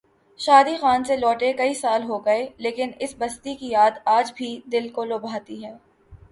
شادی خان سے لوٹے کئی سال ہو گئے لیکن اس بستی کی یاد آج بھی دل کو لبھاتی ہے۔